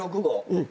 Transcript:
うん。